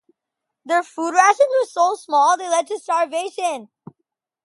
Their food rations were so small they led to starvation.